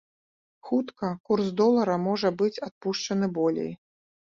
Хутка курс долара можа быць адпушчаны болей.